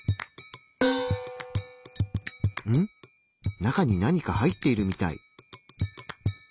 中に何か入っているみたい。